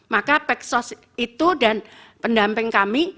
maka peksos itu dan pendamping kami